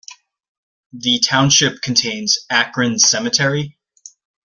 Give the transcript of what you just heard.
The township contains Akron Cemetery.